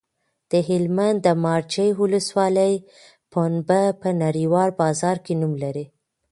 د هلمند د مارجې ولسوالۍ پنبه په نړیوال بازار کې نوم لري.